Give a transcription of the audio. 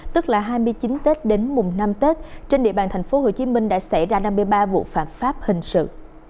tức là hai mươi chín tết đến mùng năm tết trên địa bàn tp hcm đã xảy ra năm mươi ba vụ phạm pháp hình sự